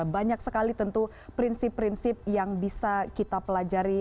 banyak sekali tentu prinsip prinsip yang bisa kita pelajari